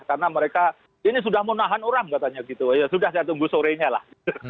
karena mereka ini sudah menahan orang katanya gitu sudah saya tunggu sorenya lah